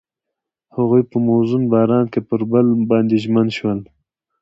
هغوی په موزون باران کې پر بل باندې ژمن شول.